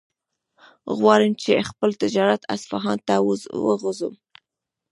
غواړم چې خپل تجارت اصفهان ته هم وغځوم.